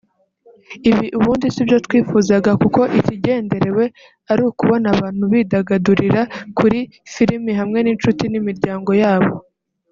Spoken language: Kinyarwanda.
Ibi ubundi sibyo twifuzaga kuko ikigenderewe ari ukubona abantu bidagadurira kuri filimi hamwe n’incuti n’imiryango yabo